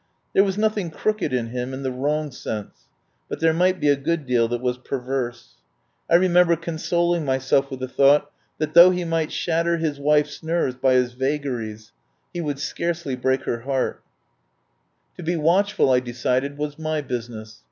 There was nothing crooked in him in the wrong sense, but there might be a good deal that was per verse. I remember consoling myself with the thought that, though he might shatter his wife's nerves by his vagaries, he would scarce ly break her heart. 27 THE POWER HOUSE To be watchful, I decided, was my busi ness.